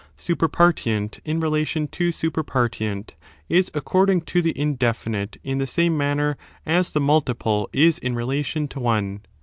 Superpartient, in relation to superpartient, is according to the indefinite in the same man ner as the multiple is in relation to one.